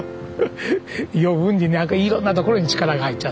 余分になんかいろんなところに力が入っちゃって。